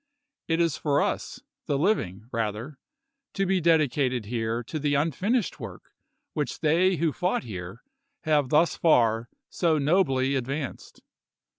It is for us the living, rather, to be dedicated here to the unfinished work which they who fought here have thus far so nobly advanced.